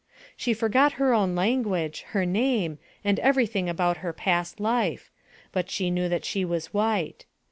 She forgot her own language, her name, and every thing about her past life, but she knew that she was white.